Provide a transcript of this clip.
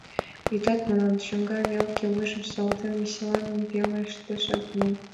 — Ӱдат, манат? — чоҥга велке вуйжым савалтен, веселан пелештыш агроном.